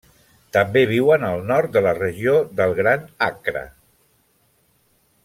També viuen al nord de la regió del Gran Accra.